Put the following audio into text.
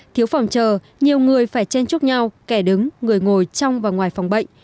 thiếu phòng chờ nhiều người phải chen chúc nhau kẻ đứng người ngồi trong và ngoài phòng bệnh